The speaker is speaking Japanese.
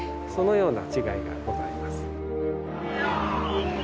そのような違いがございます。